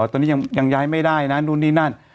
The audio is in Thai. ตอนนี้ยังย้ายไม่ได้นะนู่นนี่นั่น